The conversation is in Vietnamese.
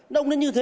đông đến như thế